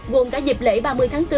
gồm cả dịp lễ ba mươi tháng bốn